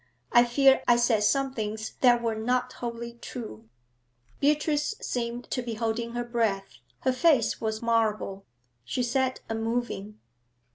I fear I said some things that were not wholly true.' Beatrice seemed to be holding her breath. Her face was marble. She sat unmoving.